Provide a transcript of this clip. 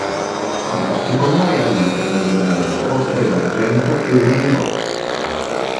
In particolare ha vinto una medaglia d'oro, tre d'argento e una di bronzo.